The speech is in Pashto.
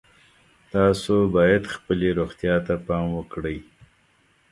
تاسو باید خپلې روغتیا ته پام وکړئ